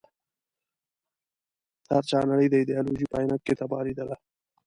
هر چا نړۍ د ایډیالوژۍ په عينکو کې تباه ليدله.